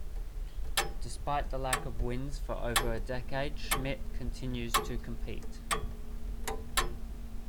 Despite the lack of wins for over a decade Schmitt continues to compete.